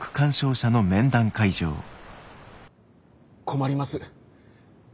困ります。